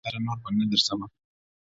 ستا زړه سمدم لكه كوتره نور بـه نـه درځمه،